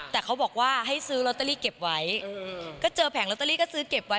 แต่เขาบอกว่าให้ซื้อลอตเตอรี่เก็บไว้ก็เจอแผงลอตเตอรี่ก็ซื้อเก็บไว้